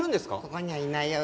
ここにはいないよ。